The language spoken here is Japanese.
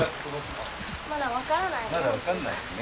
まだ分からないよね。